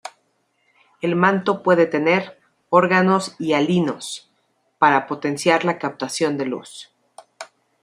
El manto puede tener "órganos hialinos" para potenciar la captación de luz.